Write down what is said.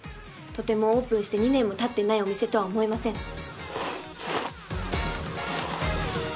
とてもオープンして２年もたってないお店とは思えません。